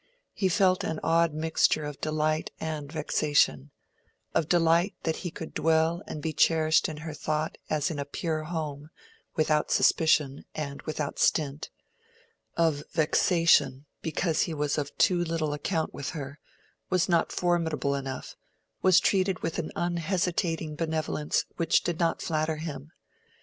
He felt an odd mixture of delight and vexation: of delight that he could dwell and be cherished in her thought as in a pure home, without suspicion and without stint—of vexation because he was of too little account with her, was not formidable enough, was treated with an unhesitating benevolence which did not flatter him.